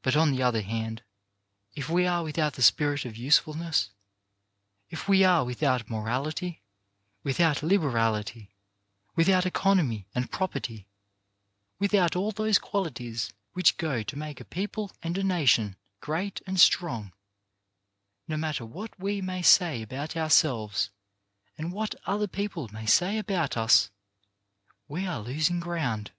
But, on the other hand, if we are without the spirit of usefulness, if we are without morality, without liberality, without economy and property, without all those qualities which go to make a people and a nation great and strong, no matter what we may say about ourselves and what other people may say about us, we are losing ground.